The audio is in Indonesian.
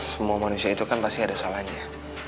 semua manusia itu kan pasti ada salahnya